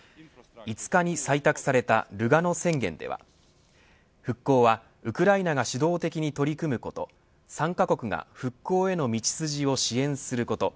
５日に採択されたルガノ宣言では復興はウクライナが主導的に取り組むこと参加国が復興への道筋を支援すること。